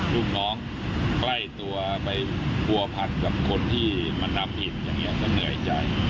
ลูกน้องใกล้ตัวไปผัวพันกับคนที่มันทำผิดอย่างนี้ก็เหนื่อยใจ